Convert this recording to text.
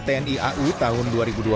tni au tahun dua ribu dua puluh